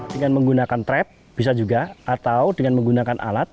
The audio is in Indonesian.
dengan menggunakan trap bisa juga atau dengan menggunakan alat